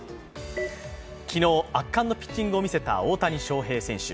昨日、圧巻のピッチングを見せた大谷翔平選手。